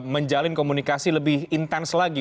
menjalin komunikasi lebih intens lagi